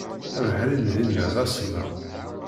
Abeḥri n dinna d asemmaḍ.